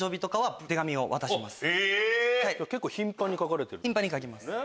結構頻繁に書かれてる？